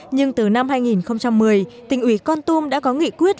nhưng từ năm hai nghìn một mươi tỉnh ủy con tum đã có nghị quyết